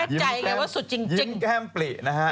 ยิ้มแข้มปลินะฮะ